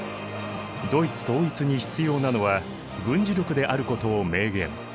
ドイツ統一に必要なのは軍事力であることを明言。